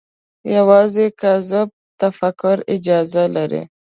یوازې کاذب تفکر اجازه لري